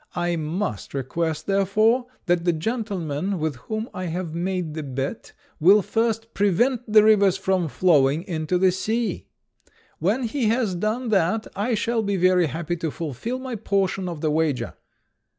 I must request, therefore, that the gentleman with whom I have made the bet will first prevent the rivers from flowing into the sea. When he has done that, I shall be very happy to fulfil my portion of the wager."